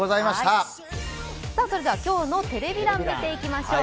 それでは今日のテレビ欄を見ていきましょう。